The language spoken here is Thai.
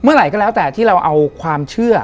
เมื่อไหร่ก็แล้วแต่ที่เราเอาความเชื่อ